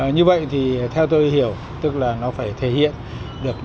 như vậy thì theo tôi hiểu tức là nó phải thể hiện được